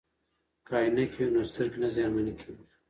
که عینکې وي نو سترګې نه زیانمن کیږي.